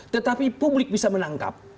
tetapi publik bisa menangkap